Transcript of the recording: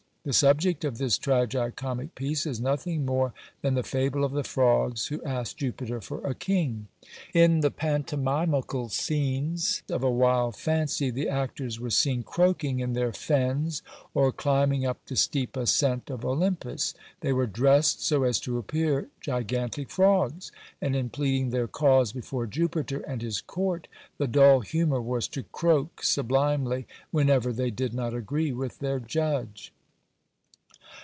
The subject of this tragi comic piece is nothing more than the fable of the frogs who asked Jupiter for a king. In the pantomimical scenes of a wild fancy, the actors were seen croaking in their fens, or climbing up the steep ascent of Olympus; they were dressed so as to appear gigantic frogs; and in pleading their cause before Jupiter and his court, the dull humour was to croak sublimely, whenever they did not agree with their judge.